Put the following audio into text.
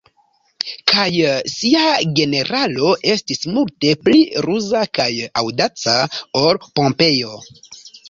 Kaj sia generalo estis multe pli ruza kaj aŭdaca ol Pompejo.